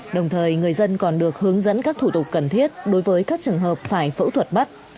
đồng thời người dân còn được hướng dẫn các thủ tục cần thiết đối với các trường hợp phải phẫu thuật mắt